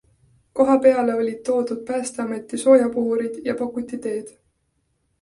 Kohapeale olid toodud Päästeameti soojapuhurid ja pakuti teed.